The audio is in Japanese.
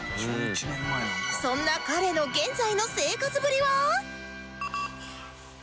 そんな彼の現在の生活ぶりは？